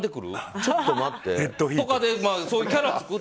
ちょっと待って。